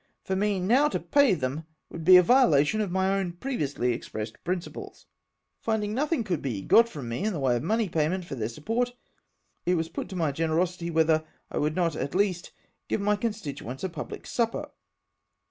For me now to pay them would be a violation of my own previously expressed principles." Finding nothing could be got from me in the way of money payment for their support, it was put to my 204 SEEK TROMOTION FOR IIASWELL. generosity whether I would not, at least, give my constituents a public supper.